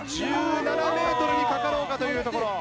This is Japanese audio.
１７ｍにかかろうかというところ。